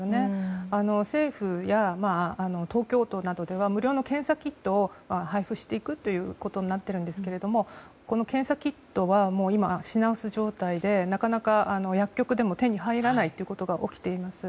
政府や東京都などでは無料の検査キットを配布していくということになっていますがこの検査キットは今、品薄状態でなかなか薬局でも手に入らないことが起きています。